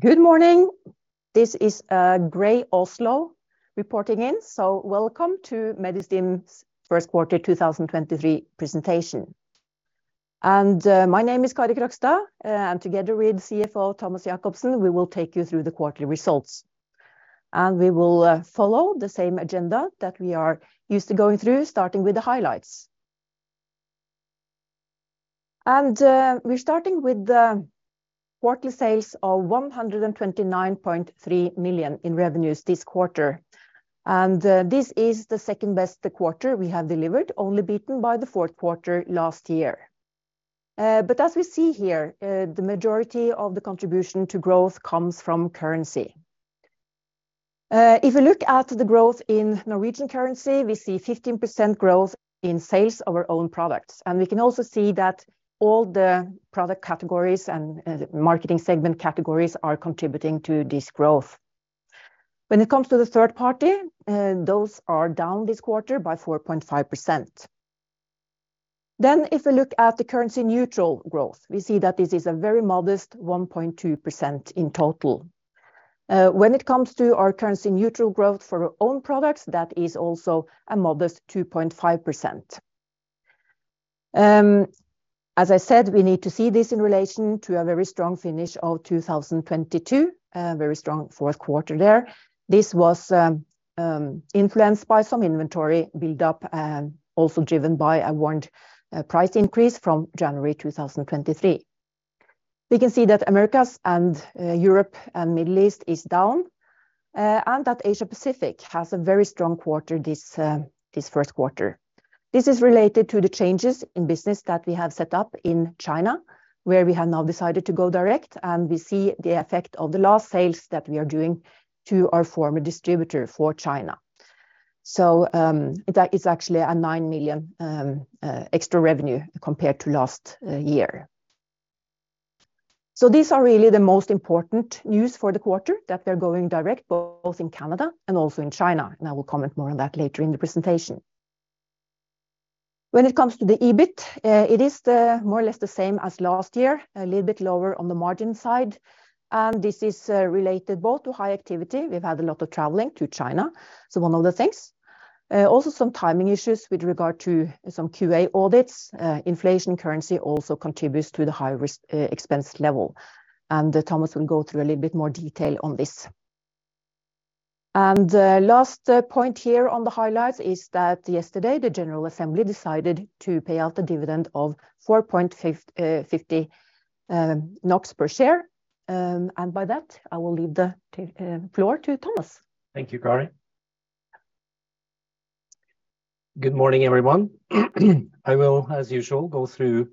Good morning. This is Gray Oslo reporting in. Welcome to Medistim's Q1 2023 presentation. My name is Kari Krogstad. Together with CFO Thomas Jacobsen, we will take you through the quarterly results. We will follow the same agenda that we are used to going through, starting with the highlights. We're starting with the quarterly sales of 129.3 million in revenues this quarter. This is the second-best quarter we have delivered, only beaten by the Q4 last year. But as we see here, the majority of the contribution to growth comes from currency. If we look at the growth in Norwegian currency, we see 15% growth in sales of our own products. We can also see that all the product categories and marketing segment categories are contributing to this growth. When it comes to the third party, those are down this quarter by 4.5%. If we look at the currency neutral growth, we see that this is a very modest 1.2% in total. When it comes to our currency neutral growth for our own products, that is also a modest 2.5%. As I said, we need to see this in relation to a very strong finish of 2022, very strong Q4 there. This was influenced by some inventory build-up and also driven by a warrant price increase from January 2023. We can see that Americas and Europe and Middle East is down, and that Asia Pacific has a very strong quarter this Q1. This is related to the changes in business that we have set up in China, where we have now decided to go direct, and we see the effect of the last sales that we are doing to our former distributor for China. It's actually a 9 million extra revenue compared to last year. These are really the most important news for the quarter, that they're going direct both in Canada and also in China, and I will comment more on that later in the presentation. When it comes to the EBIT, it is more or less the same as last year, a little bit lower on the margin side. This is related both to high activity, we've had a lot of traveling to China, so one of the things. Also some timing issues with regard to some QA audits. Inflation currency also contributes to the high expense level. Thomas will go through a little bit more detail on this. The last point here on the highlights is that yesterday, the General Assembly decided to pay out a dividend of 4.50 NOK per share. By that, I will leave the floor to Thomas. Thank you, Kari. Good morning, everyone. I will, as usual, go through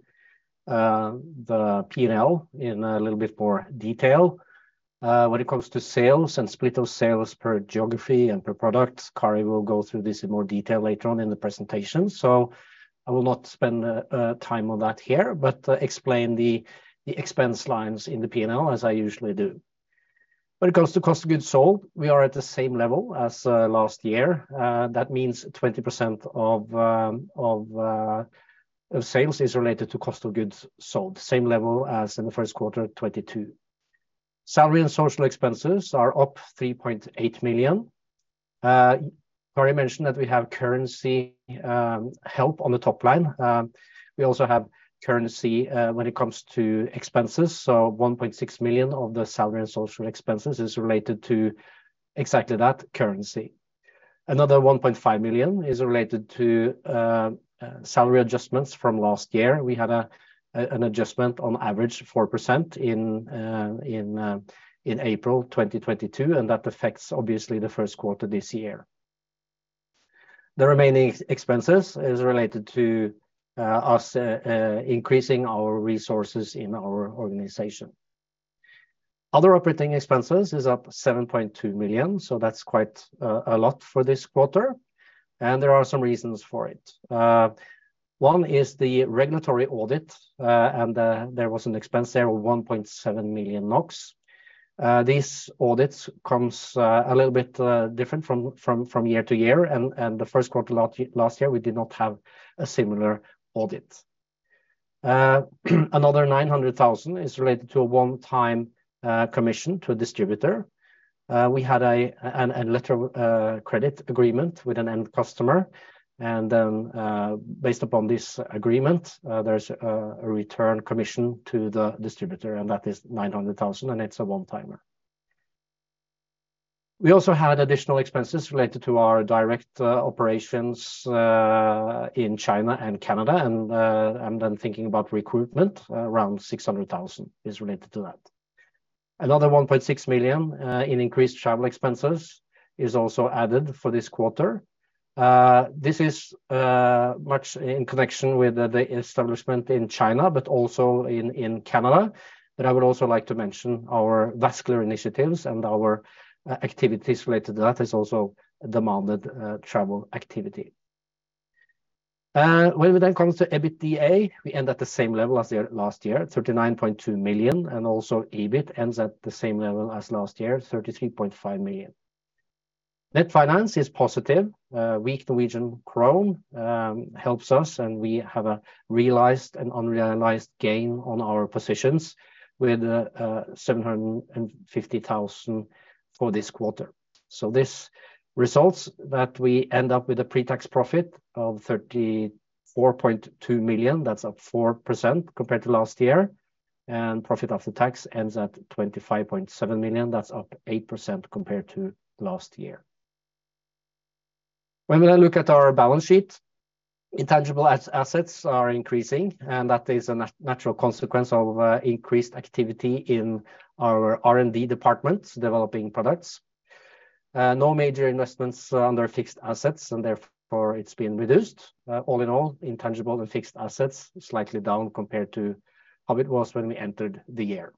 the P&L in a little bit more detail. When it comes to sales and split of sales per geography and per product, Kari will go through this in more detail later on in the presentation. I will not spend time on that here, but explain the expense lines in the P&L as I usually do. When it comes to cost of goods sold, we are at the same level as last year. That means 20% of sales is related to cost of goods sold. Same level as in the Q1 of 2022. Salary and social expenses are up 3.8 million. Kari mentioned that we have currency help on the top line. We also have currency when it comes to expenses. 1.6 million of the salary and social expenses is related to exactly that currency. Another 1.5 million is related to salary adjustments from last year. We had an adjustment on average 4% in April 2022, that affects obviously the Q1 this year. The remaining expenses is related to us increasing our resources in our organization. Other operating expenses is up 7.2 million, that's quite a lot for this quarter, there are some reasons for it. One is the regulatory audit, there was an expense there of 1.7 million NOK. These audits come a little bit different from year to year and the Q1 last year, we did not have a similar audit. Another 900,000 is related to a one-time commission to a distributor. We had a letter credit agreement with an end customer, and then, based upon this agreement, there's a return commission to the distributor, and that is 900,000, and it's a one-timer. We also had additional expenses related to our direct operations in China and Canada, and then thinking about recruitment, around 600,000 is related to that. Another 1.6 million in increased travel expenses is also added for this quarter. This is much in connection with the establishment in China, but also in Canada. I would also like to mention our vascular initiatives and our activities related to that has also demanded travel activity. We then come to EBITDA, we end at the same level as the last year, at 39.2 million, and also EBIT ends at the same level as last year, 33.5 million. Net finance is positive. Weak Norwegian krone helps us, and we have a realized and unrealized gain on our positions with 750,000 for this quarter. This results that we end up with a pre-tax profit of 34.2 million, that's up 4% compared to last year, and profit after tax ends at 25.7 million. That's up 8% compared to last year. When we now look at our balance sheet, intangible assets are increasing, and that is a natural consequence of increased activity in our R&D department developing products. No major investments under fixed assets, and therefore it's been reduced. All in all, intangible and fixed assets slightly down compared to how it was when we entered the year.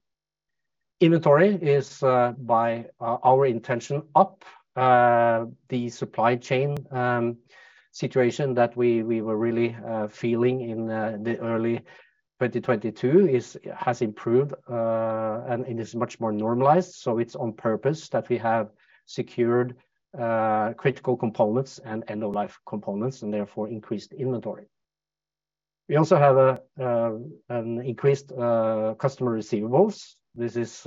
Inventory is by our intention up, the supply chain situation that we were really feeling in the early 2022 has improved, and it is much more normalized. It's on purpose that we have secured critical components and end-of-life components and therefore increased inventory. We also have an increased customer receivables. This is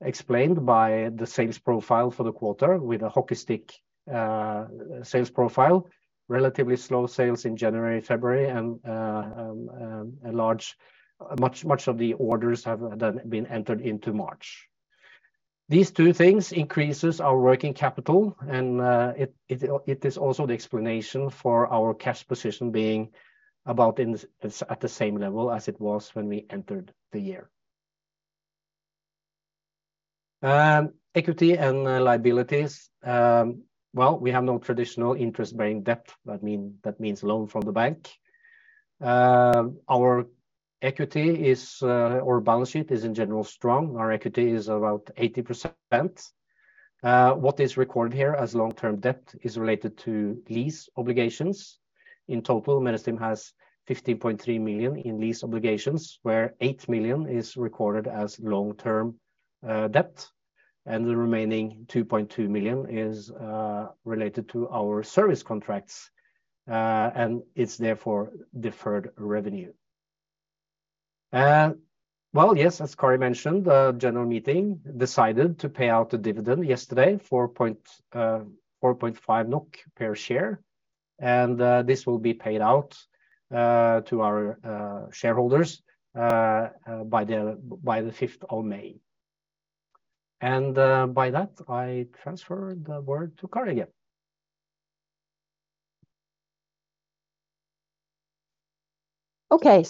explained by the sales profile for the quarter with a hockey stick sales profile, relatively slow sales in January, February, and much of the orders have then been entered into March. These two things increases our working capital, and it is also the explanation for our cash position being about at the same level as it was when we entered the year. Equity and liabilities. We have no traditional interest-bearing debt. That means loan from the bank. Our equity is or balance sheet is in general strong. Our equity is about 80%. What is recorded here as long-term debt is related to lease obligations. In total, Medistim has 15.3 million in lease obligations, where 8 million is recorded as long-term debt, and the remaining 2.2 million is related to our service contracts, and it's therefore deferred revenue. Well, yes, as Kari mentioned, the general meeting decided to pay out a dividend yesterday, 4.5 NOK per share, and this will be paid out to our shareholders by the 5th of May. By that, I transfer the word to Kari again. Okay.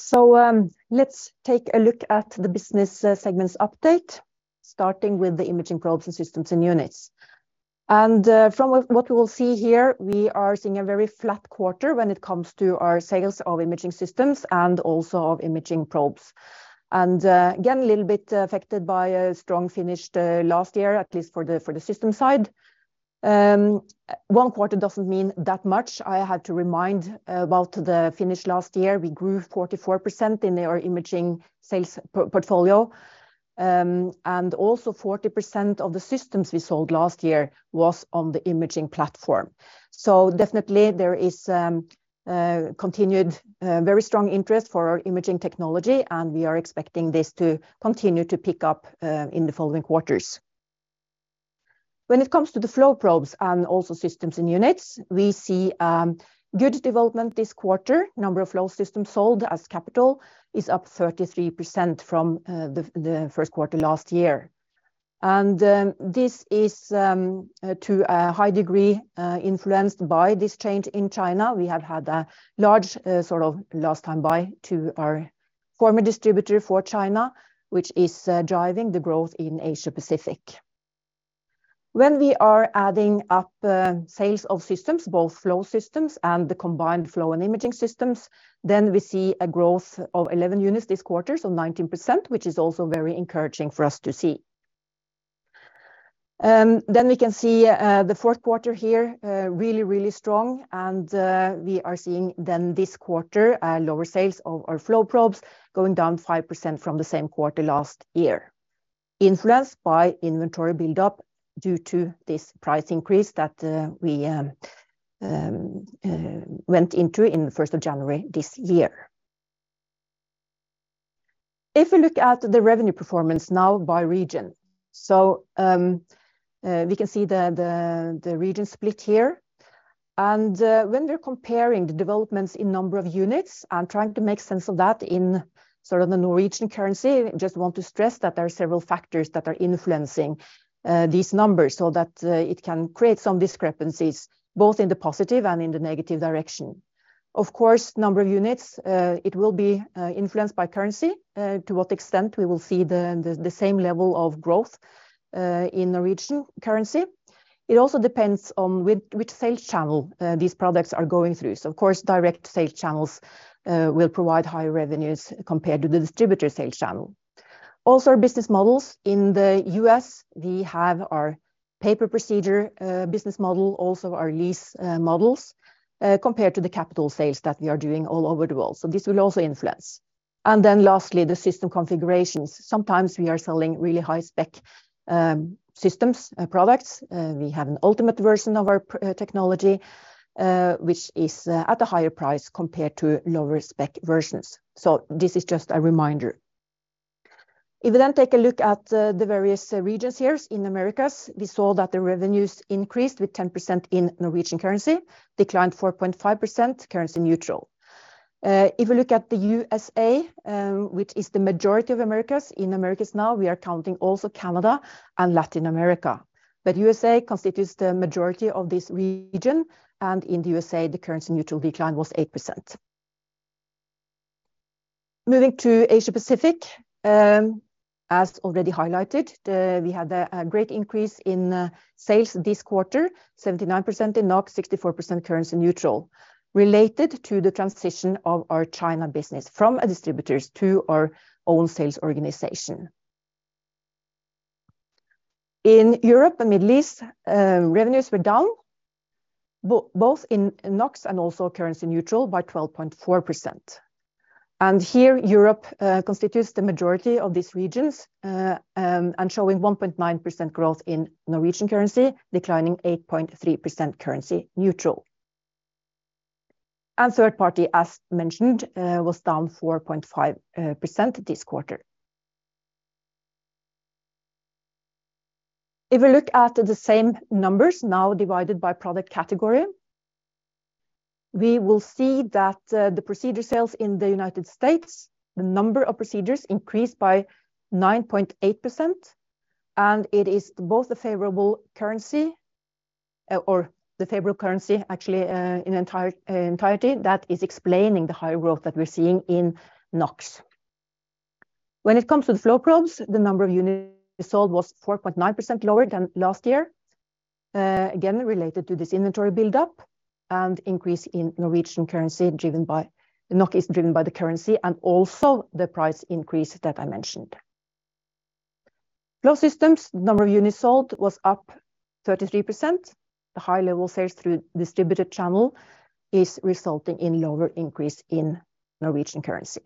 Let's take a look at the business segments update, starting with the imaging probes and systems and units. From what we will see here, we are seeing a very flat quarter when it comes to our sales of imaging systems and also of imaging probes. Again, a little bit affected by a strong finish last year, at least for the system side. One quarter doesn't mean that much. I had to remind about the finish last year. We grew 44% in our imaging sales portfolio. Also 40% of the systems we sold last year was on the imaging platform. Definitely there is continued very strong interest for our imaging technology, and we are expecting this to continue to pick up in the following quarters. When it comes to the flow probes and also systems and units, we see good development this quarter. Number of flow systems sold as capital is up 33% from the Q1 last year. This is to a high degree influenced by this change in China. We have had a large sort of last time buy to our former distributor for China, which is driving the growth in Asia Pacific. We are adding up sales of systems, both flow systems and the combined flow and imaging systems, then we see a growth of 11 units this quarter, so 19%, which is also very encouraging for us to see. We can see the Q4 here, really strong. We are seeing then this quarter, lower sales of our flow probes going down 5% from the same quarter last year, influenced by inventory build-up due to this price increase that we went into in the 1st of January this year. If we look at the revenue performance now by region. We can see the region split here. When we're comparing the developments in number of units and trying to make sense of that in sort of the Norwegian currency, just want to stress that there are several factors that are influencing these numbers, so that it can create some discrepancies, both in the positive and in the negative direction. Of course, number of units, it will be influenced by currency, to what extent we will see the same level of growth in Norwegian currency. It also depends on which sales channel these products are going through. Of course, direct sales channels will provide higher revenues compared to the distributor sales channel. Also, our business models in the U.S., we have our pay-per-procedure business model, also our lease models, compared to the capital sales that we are doing all over the world. This will also influence. Lastly, the system configurations. Sometimes we are selling really high spec systems, products. We have an ultimate version of our p-technology, which is at a higher price compared to lower spec versions. This is just a reminder. We then take a look at the various regions here in Americas, we saw that the revenues increased with 10% in NOK, declined 4.5% currency neutral. We look at the USA, which is the majority of Americas, in Americas now we are counting also Canada and Latin America. USA constitutes the majority of this region, in the USA, the currency neutral decline was 8%. Moving to Asia Pacific, as already highlighted, we had a great increase in sales this quarter, 79% in NOK, 64% currency neutral related to the transition of our China business from a distributors to our own sales organization. In Europe and Middle East, revenues were down both in NOK and also currency neutral by 12.4%. Here Europe constitutes the majority of these regions, showing 1.9% growth in NOK, declining 8.3% currency neutral. Third party, as mentioned, was down 4.5% this quarter. If we look at the same numbers now divided by product category, we will see that the procedure sales in the United States, the number of procedures increased by 9.8%. It is both the favorable currency, or the favorable currency actually, in entirety that is explaining the high growth that we're seeing in NOK. When it comes to the flow probes, the number of units sold was 4.9% lower than last year, again, related to this inventory buildup and increase in Norwegian currency. The NOK is driven by the currency and also the price increase that I mentioned. Flow systems, number of units sold was up 33%. The high level sales through distributor channel is resulting in lower increase in Norwegian currency.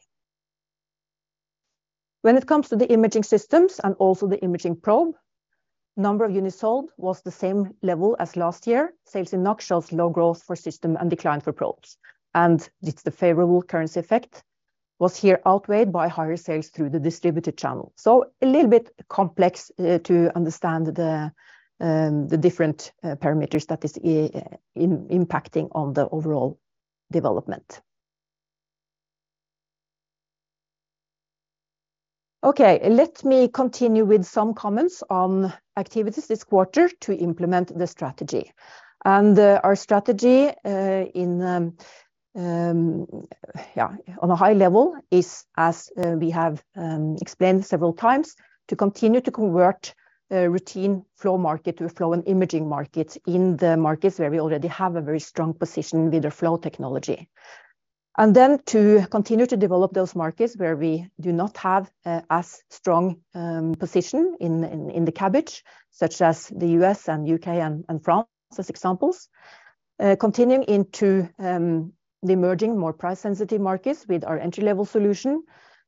When it comes to the imaging systems and also the imaging probe, number of units sold was the same level as last year. Sales in NOK shows low growth for system and decline for probes. It's the favorable currency effect was here outweighed by higher sales through the distributor channel. A little bit complex to understand the different parameters that is impacting on the overall development. Okay, let me continue with some comments on activities this quarter to implement the strategy. Our strategy on a high level is, as we have explained several times to continue to convert routine flow market to a flow and imaging market in the markets where we already have a very strong position with the flow technology. To continue to develop those markets where we do not have as strong position in the CABG, such as the U.S. and U.K. and France, as examples. Continuing into the emerging more price sensitive markets with our entry level solution,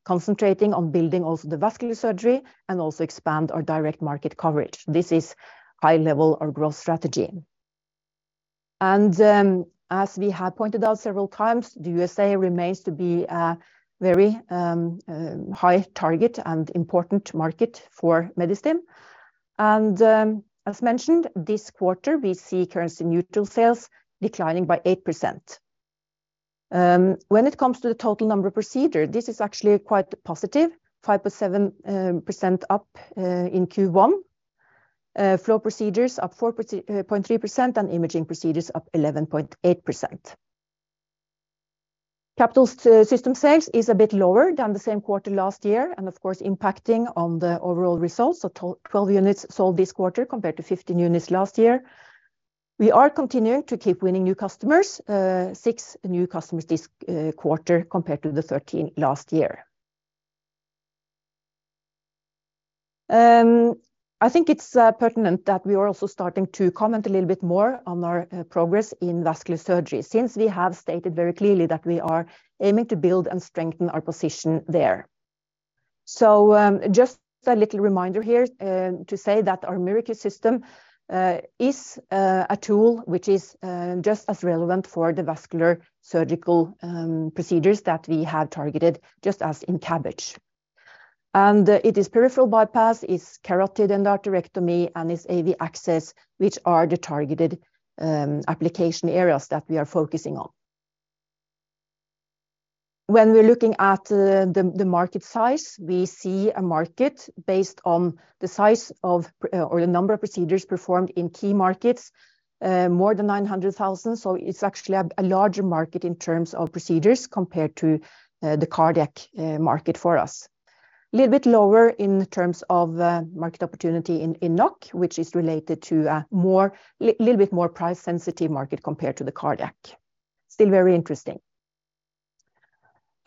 concentrating on building also the vascular surgery and also expand our direct market coverage. This is high level our growth strategy. As we have pointed out several times, the USA remains to be a very high target and important market for Medistim. As mentioned, this quarter, we see currency neutral sales declining by 8%. When it comes to the total number of procedure, this is actually quite positive, 5.7% up in Q1. Flow procedures up 4.3% and imaging procedures up 11.8%. Capital system sales is a bit lower than the same quarter last year and of course, impacting on the overall results. 12 units sold this quarter compared to 15 units last year. We are continuing to keep winning new customers. Six new customers this quarter compared to the 13 last year. I think it's pertinent that we are also starting to comment a little bit more on our progress in vascular surgery since we have stated very clearly that we are aiming to build and strengthen our position there. Just a little reminder here to say that our MiraQ system is a tool which is just as relevant for the vascular surgical procedures that we have targeted just as in CABG. It is peripheral bypass, it's carotid endarterectomy, and it's AV access, which are the targeted application areas that we are focusing on. When we're looking at the market size, we see a market based on the size of or the number of procedures performed in key markets, more than 900,000. It's actually a larger market in terms of procedures compared to the cardiac market for us. Little bit lower in terms of market opportunity in NOK, which is related to a little bit more price-sensitive market compared to the cardiac. Still very interesting.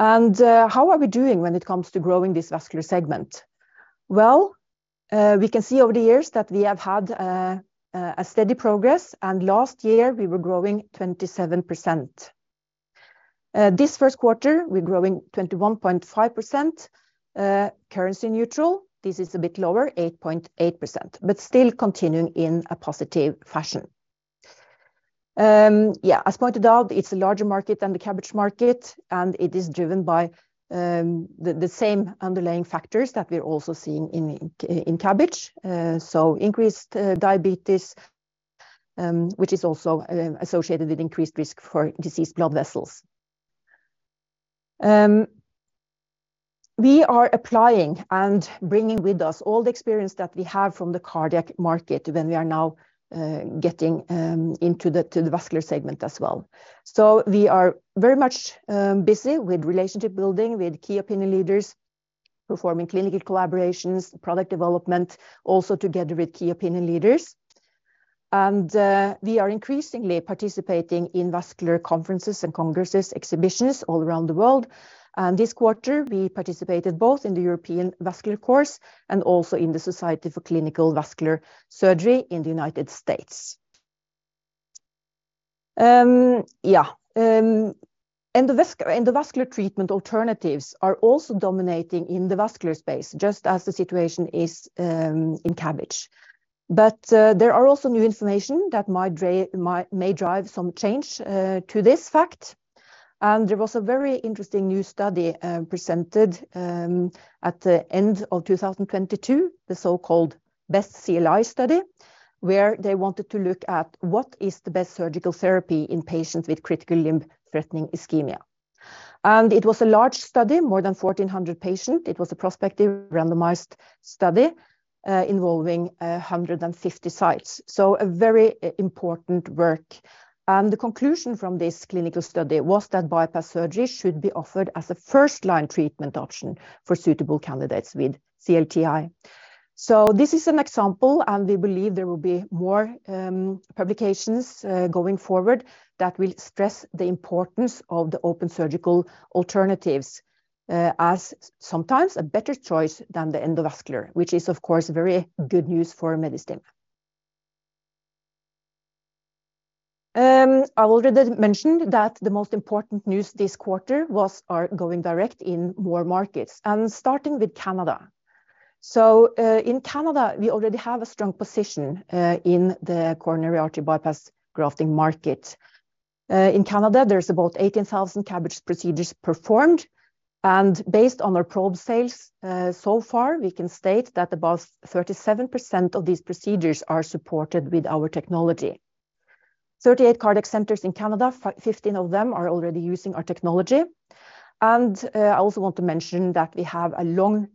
How are we doing when it comes to growing this vascular segment? Well, we can see over the years that we have had a steady progress, and last year we were growing 27%. This Q1, we're growing 21.5%. Currency neutral, this is a bit lower, 8.8%, but still continuing in a positive fashion. Yeah, as pointed out, it's a larger market than the CABG market, and it is driven by the same underlying factors that we're also seeing in CABG. Increased diabetes, which is also associated with increased risk for diseased blood vessels. We are applying and bringing with us all the experience that we have from the cardiac market when we are now getting to the vascular segment as well. We are very much busy with relationship building, with key opinion leaders, performing clinical collaborations, product development, also together with key opinion leaders. We are increasingly participating in vascular conferences and congresses, exhibitions all around the world. This quarter we participated both in the European Vascular Course and also in the Society for Clinical Vascular Surgery in the United States. Endovascular treatment alternatives are also dominating in the vascular space, just as the situation is in CABG. There are also new information that may drive some change to this fact. There was a very interesting new study presented at the end of 2022, the so-called BEST-CLI study, where they wanted to look at what is the best surgical therapy in patients with critical limb-threatening ischemia. It was a large study, more than 1,400 patient. It was a prospective randomized study involving 150 sites, so a very important work. The conclusion from this clinical study was that bypass surgery should be offered as a first-line treatment option for suitable candidates with CLTI. This is an example, and we believe there will be more publications going forward that will stress the importance of the open surgical alternatives as sometimes a better choice than the endovascular, which is of course, very good news for Medistim. I already mentioned that the most important news this quarter was our going direct in more markets and starting with Canada. In Canada, we already have a strong position in the Coronary Artery Bypass Grafting market. In Canada, there's about 18,000 CABG procedures performed, and based on our probe sales so far, we can state that about 37% of these procedures are supported with our technology. 38 cardiac centers in Canada, 15 of them are already using our technology. I also want to mention that we have a long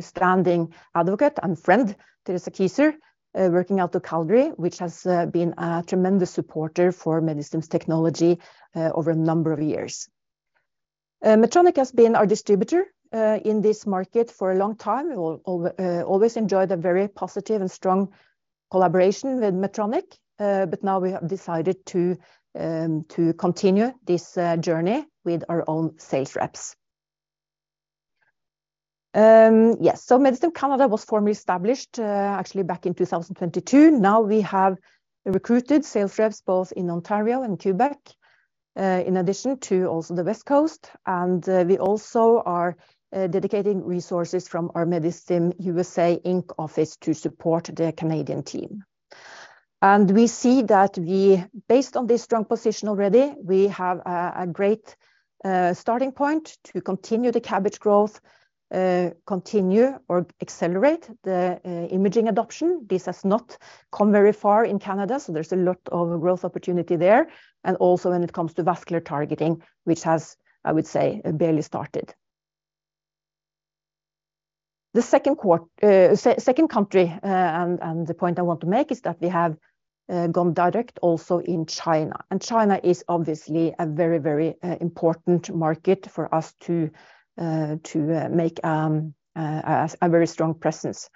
standing advocate and friend, Teresa Kieser, working out of Calgary, which has been a tremendous supporter for Medistim's technology over a number of years. Medtronic has been our distributor in this market for a long time. We always enjoyed a very positive and strong collaboration with Medtronic, but now we have decided to continue this journey with our own sales reps. Yes. Medistim Canada was formally established actually back in 2022. Now we have recruited sales reps both in Ontario and Quebec in addition to also the West Coast. We also are dedicating resources from our Medistim USA Inc. office to support the Canadian team. We see that we, based on this strong position already, we have a great starting point to continue the CABG growth, continue or accelerate the imaging adoption. This has not come very far in Canada, so there's a lot of growth opportunity there. Also when it comes to vascular targeting, which has, I would say, barely started. The second country, and the point I want to make is that we have gone direct also in China. China is obviously a very important market for us to to make a very strong presence.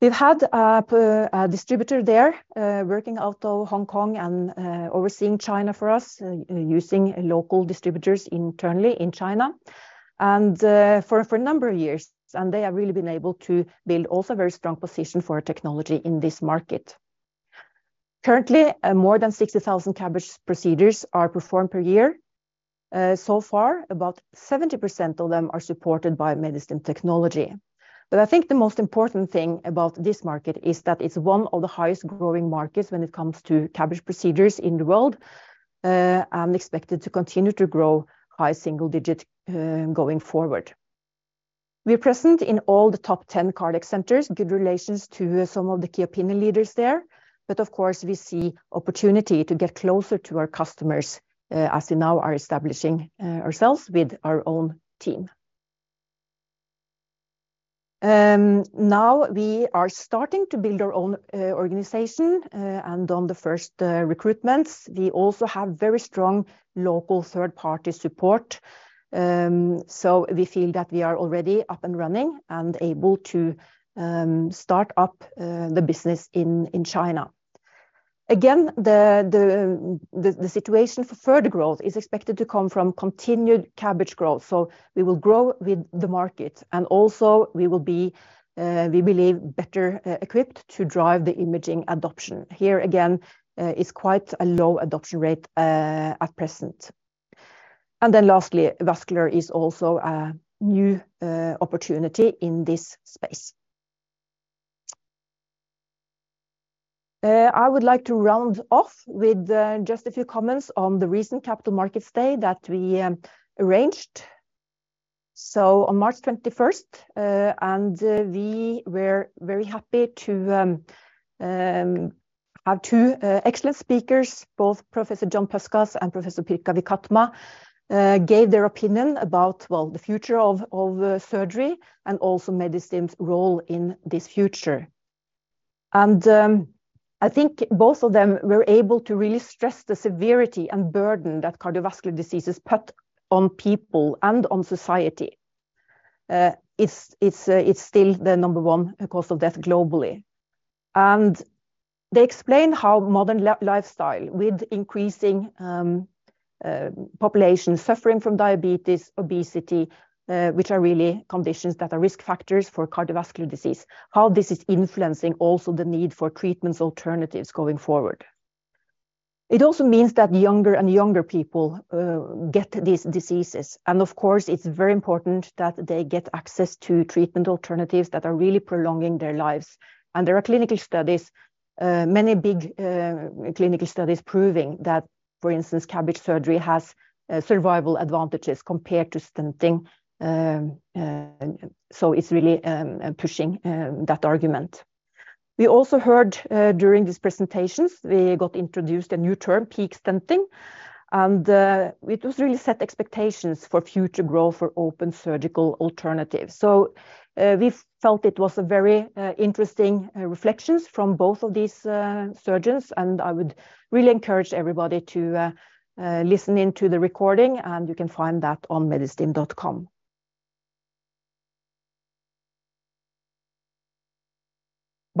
We've had a distributor there, working out of Hong Kong and overseeing China for us, using local distributors internally in China and for a number of years. They have really been able to build also a very strong position for our technology in this market. Currently, more than 60,000 CABG procedures are performed per year. So far, about 70% of them are supported by Medistim technology. I think the most important thing about this market is that it's one of the highest growing markets when it comes to CABG procedures in the world, and expected to continue to grow high single digit going forward. We are present in all the top 10 cardiac centers, good relations to some of the key opinion leaders there, but of course we see opportunity to get closer to our customers, as we now are establishing ourselves with our own team. Now we are starting to build our own organization, and on the first recruitments. We also have very strong local third-party support, we feel that we are already up and running and able to start up the business in China. The situation for further growth is expected to come from continued CABG growth. We will grow with the market, and also we will be, we believe better equipped to drive the imaging adoption. Is quite a low adoption rate at present. Lastly, vascular is also a new opportunity in this space. I would like to round off with just a few comments on the recent Capital Markets Day that we arranged. On March 21st, and we were very happy to have two excellent speakers, both Professor John Puskas and Professor Pirkka Vikatmaa, gave their opinion about, well, the future of surgery and also Medistim's role in this future. I think both of them were able to really stress the severity and burden that cardiovascular diseases put on people and on society. It's still the number 1 cause of death globally. They explain how modern lifestyle with increasing population suffering from diabetes, obesity, which are really conditions that are risk factors for cardiovascular disease, how this is influencing also the need for treatments alternatives going forward. It also means that younger and younger people get these diseases. Of course, it's very important that they get access to treatment alternatives that are really prolonging their lives. There are clinical studies, many big clinical studies proving that, for instance, CABG surgery has survival advantages compared to stenting. It's really pushing that argument. We also heard during these presentations, we got introduced a new term, peak stenting, it was really set expectations for future growth for open surgical alternatives. We felt it was a very interesting reflections from both of these surgeons, and I would really encourage everybody to listen into the recording, and you can find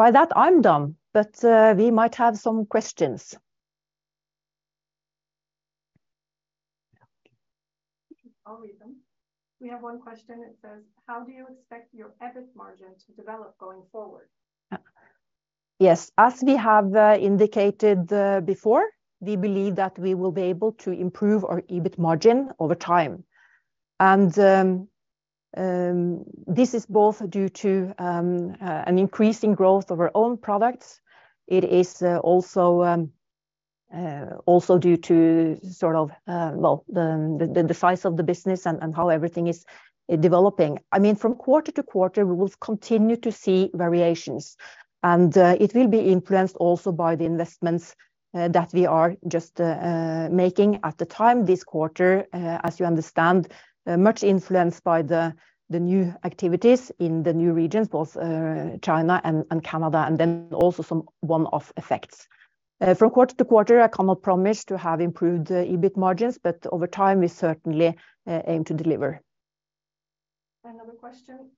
that on medistim.com. By that, I'm done, we might have some questions. I'll read them. We have one question. It says, "How do you expect your EBIT margin to develop going forward? Yes. As we have indicated before, we believe that we will be able to improve our EBIT margin over time. This is both due to an increase in growth of our own products. It is also due to sort of, well, the size of the business and how everything is developing. I mean, from quarter to quarter, we will continue to see variations, and it will be influenced also by the investments that we are just making. At the time this quarter, as you understand, much influenced by the new activities in the new regions, both China and Canada, and then also some one-off effects. From quarter to quarter, I cannot promise to have improved the EBIT margins, but over time, we certainly aim to deliver. Another question.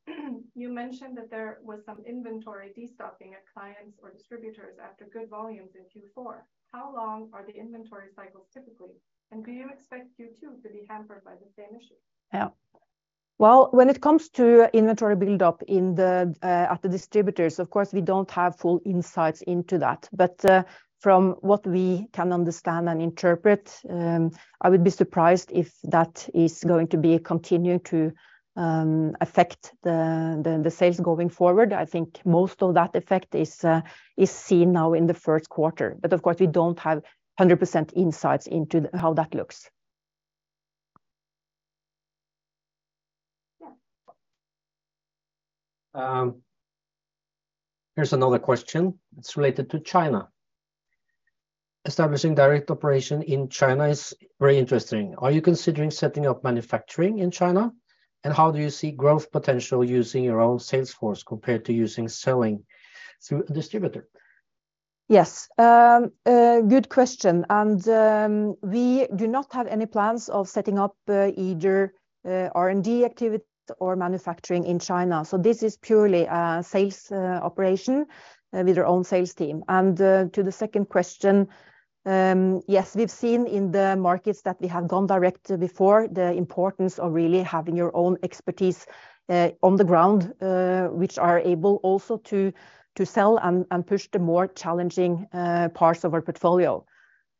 You mentioned that there was some inventory destocking at clients or distributors after good volumes in Q4. How long are the inventory cycles typically? Do you expect Q2 to be hampered by the same issue? When it comes to inventory build-up at the distributors, of course, we don't have full insights into that. From what we can understand and interpret, I would be surprised if that is going to be continuing to affect the sales going forward. I think most of that effect is seen now in the Q1. We don't have 100% insights into how that looks. Yeah. Here's another question. It's related to China. Establishing direct operation in China is very interesting. Are you considering setting up manufacturing in China? How do you see growth potential using your own sales force compared to using selling through a distributor? Yes. A good question. We do not have any plans of setting up either R&D activity or manufacturing in China. This is purely a sales operation with our own sales team. To the second question, yes. We've seen in the markets that we have gone direct before the importance of really having your own expertise on the ground, which are able also to sell and push the more challenging parts of our portfolio.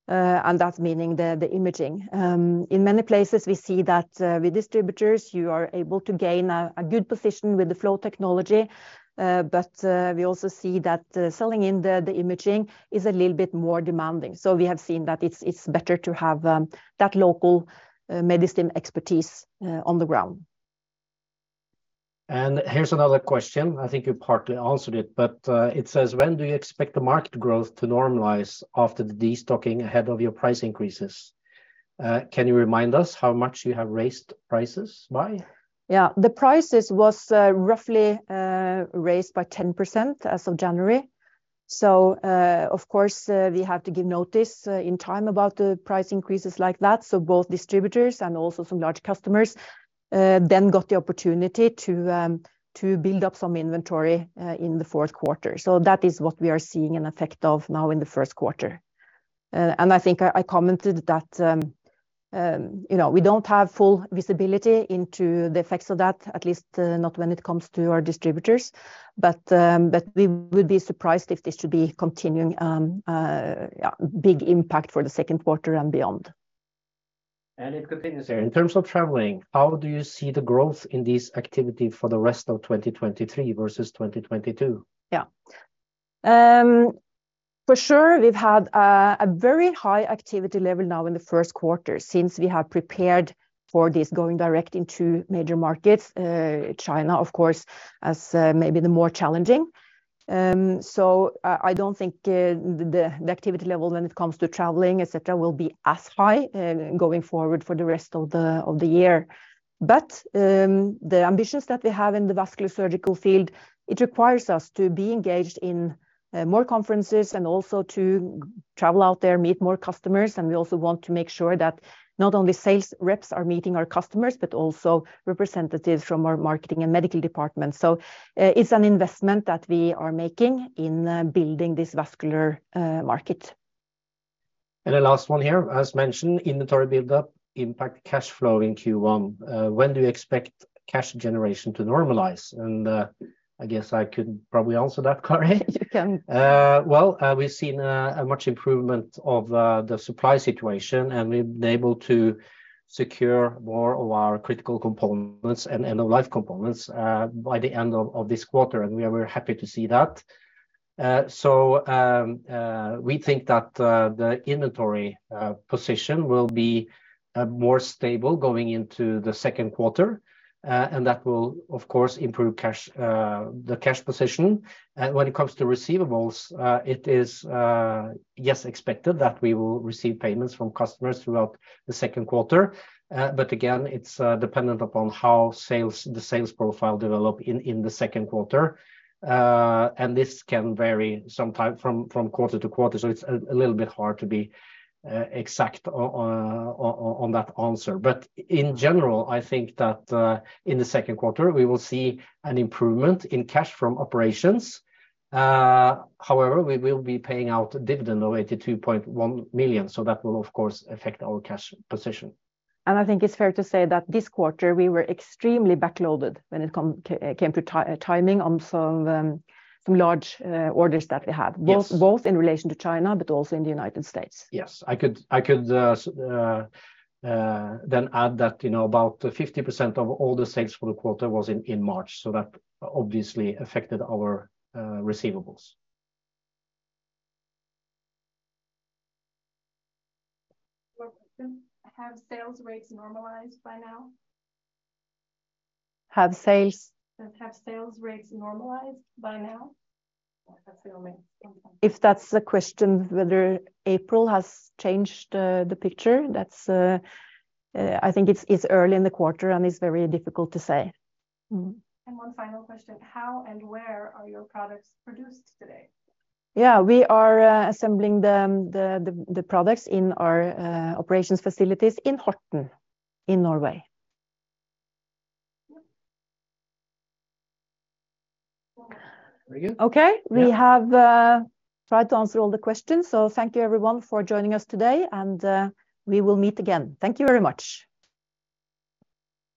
And that's meaning the imaging. In many places we see that with distributors, you are able to gain a good position with the flow technology. But we also see that selling in the imaging is a little bit more demanding. We have seen that it's better to have that local Medistim expertise on the ground. Here's another question. I think you partly answered it, but, it says, "When do you expect the market growth to normalize after the destocking ahead of your price increases? Can you remind us how much you have raised prices by? Yeah. The prices was roughly raised by 10% as of January. Of course, we have to give notice in time about the price increases like that. Both distributors and also some large customers then got the opportunity to build up some inventory in the Q4. That is what we are seeing an effect of now in the Q1. I think I commented that, you know, we don't have full visibility into the effects of that, at least, not when it comes to our distributors. We would be surprised if this should be continuing a big impact for the Q2 and beyond. It continues here. In terms of traveling, how do you see the growth in this activity for the rest of 2023 versus 2022? Yeah. For sure, we've had a very high activity level now in the 1st quarter since we have prepared for this going direct into major markets. China, of course, as maybe the more challenging. I don't think the activity level when it comes to traveling, et cetera, will be as high going forward for the rest of the year. The ambitions that we have in the vascular surgical field, it requires us to be engaged in more conferences and also to travel out there, meet more customers. We also want to make sure that not only sales reps are meeting our customers, but also representatives from our marketing and medical department. It's an investment that we are making in building this vascular market. The last one here. As mentioned, inventory build-up impact cash flow in Q1. When do you expect cash generation to normalize? I guess I could probably answer that, Kari. You can. Well, we've seen much improvement of the supply situation. We've been able to secure more of our critical components and end-of-life components by the end of this quarter, and we are very happy to see that. We think that the inventory position will be more stable going into the Q2. That will of course improve the cash position. When it comes to receivables, it is, yes, expected that we will receive payments from customers throughout the Q2. Again, it's dependent upon how the sales profile develop in the Q2. This can vary sometime from quarter to quarter, so it's a little bit hard to be exact on that answer. In general, I think that, in the Q2, we will see an improvement in cash from operations. However, we will be paying out a dividend of 82.1 million. That will of course affect our cash position. I think it's fair to say that this quarter we were extremely backloaded when it came to timing on some large orders that we had. Yes both in relation to China but also in the United States. Yes. I could then add that, you know, about 50% of all the sales for the quarter was in March, so that obviously affected our receivables. More question. Have sales rates normalized by now? Have sales? Have sales rates normalized by now? That's the only one. If that's a question whether April has changed the picture, that's. I think it's early in the quarter, and it's very difficult to say. One final question. How and where are your products produced today? Yeah. We are assembling the products in our operations facilities in Horten in Norway. Okay. Very good. Okay. Yeah. We have tried to answer all the questions, so thank you everyone for joining us today, and we will meet again. Thank you very much.